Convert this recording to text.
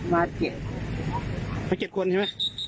มา๗คนใช่ไหม